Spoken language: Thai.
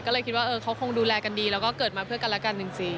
ก็เลยคิดว่าเขาคงดูแลกันดีแล้วก็เกิดมาเพื่อกันและกันจริง